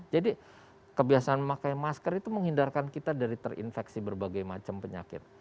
jadi kebiasaan memakai masker itu menghindarkan kita dari terinfeksi berbagai macam penyakit